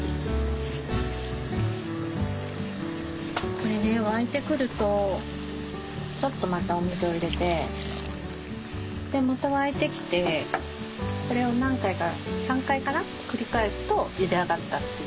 これね沸いてくるとちょっとまたお水を入れてでまた沸いてきてこれを何回か３回かな繰り返すとゆで上がったっていう。